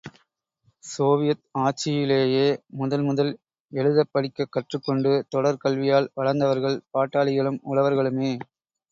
Soviet ஆட்சியிலேயே, முதல் முதல் எழுதப் படிக்கக் கற்றுக்கொண்டு தொடர் கல்வியால் வளர்ந்தவர்கள் பாட்டாளிகளும் உழவர்களுமே.